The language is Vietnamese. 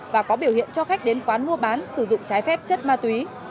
và có biểu hiện cho khách đến quán mua bán sử dụng trái phép chất ma túy